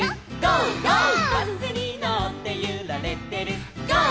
「バスにのってゆられてるゴー！